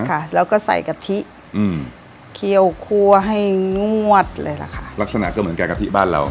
ค่ะแล้วก็ใส่กะทิอืมเคี่ยวคั่วให้งวดเลยล่ะค่ะลักษณะก็เหมือนแกงกะทิบ้านเรา